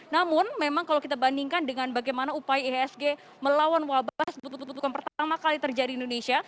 namun memang kalau kita bandingkan dengan bagaimana upaya ihsg melawan wabah sebut bukan pertama kali terjadi di indonesia